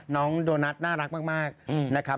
น้องโดนัทน่ารักมากนะครับ